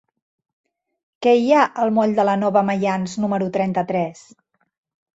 Què hi ha al moll de la Nova Maians número trenta-tres?